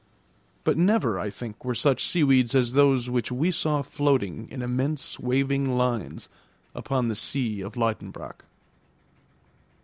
But never, I think, were such seaweeds as those which we saw floating in immense waving lines upon the sea of Liedenbrock.